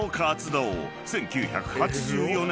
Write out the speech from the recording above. ［１９８４年。